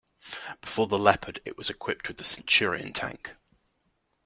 Before the Leopard it was equipped with the Centurion tank.